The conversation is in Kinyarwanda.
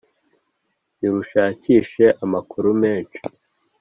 ntirushakishe amakuru menhsi,